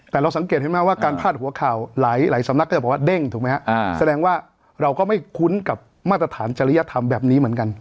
แต่เราสังเกตเห็นไหมว่าการพาดหัวข่าวหลายสำนักก็จะบอกว่าเด้งถูกไหมฮะแสดงว่าเราก็ไม่คุ้นกับมาตรฐานจริยธรรมแบบนี้เหมือนกัน